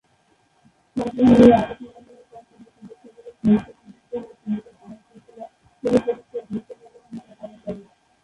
পাক বাহিনীর আত্মসমর্পণের পর তিনি সিলেট সদরের প্রশাসক নিযুক্ত হয়ে সিলেটের আইন-শৃঙ্খলা পুনপ্রতিষ্টায় গুরুত্বপূর্ণ ভূমিকা পালন করেন।